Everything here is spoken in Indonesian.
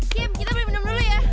kim kita boleh minum dulu ya